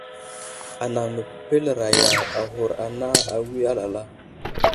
Anaŋ məpələraya aghur ana awi alala.